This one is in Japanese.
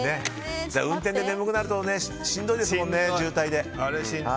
運転で眠くなるとしんどいですもんね、渋滞で。